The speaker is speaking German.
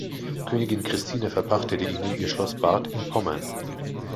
Königin Christina verpachtete ihnen ihr Schloss Barth in Pommern.